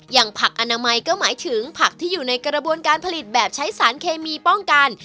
อย่างผักอนามัยก็หมายถึงผักที่อยู่ในกระบวนการผลิตแบบใช้สารเคมีป้องกัน